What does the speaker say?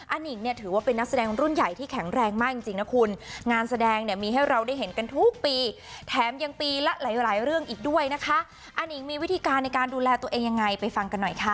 นิ่งเนี่ยถือว่าเป็นนักแสดงรุ่นใหญ่ที่แข็งแรงมากจริงจริงนะคุณงานแสดงเนี่ยมีให้เราได้เห็นกันทุกปีแถมยังปีละหลายหลายเรื่องอีกด้วยนะคะอานิงมีวิธีการในการดูแลตัวเองยังไงไปฟังกันหน่อยค่ะ